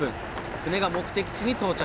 船が目的地に到着。